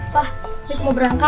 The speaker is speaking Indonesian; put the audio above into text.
pak fit mau berangkat